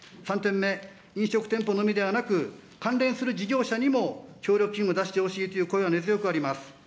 ３点目、飲食店舗のみではなく、関連する事業者にも協力金を出してほしいという声は根強くあります。